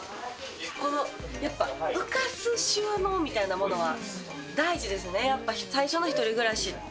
このやっぱ浮かす収納みたいなものは大事ですね、やっぱ、最初の１人暮らしって。